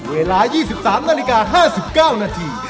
เวลา๒๓นาฬิกา๕๙นาที